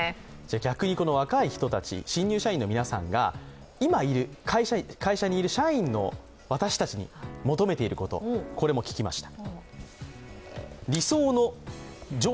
逆に若い人たち、新入社員の皆さんが今、会社にいる社員の私たちに求めていることも聞きました。